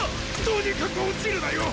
とにかく落ちるなよ！